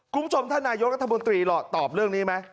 กรุงชมท่านนายโยคกันธบนตรีตอบเรื่องนี้ไหม